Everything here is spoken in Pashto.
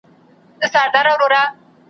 هره شپه د یوه بل خوب ته ورتللو `